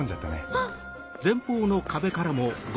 あっ！